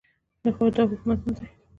دا حکومت نه دی